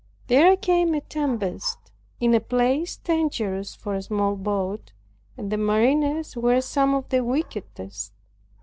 There came a tempest in a place dangerous for a small boat; and the mariners were some of the wickedest.